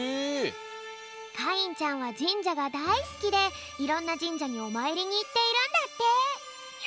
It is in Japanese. かいんちゃんはじんじゃがだいすきでいろんなじんじゃにおまいりにいっているんだって。